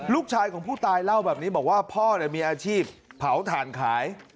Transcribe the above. ลูกชายของผู้ตายเล่าแบบนี้บอกว่าพ่อมีอาชีพเผาถ่านขาย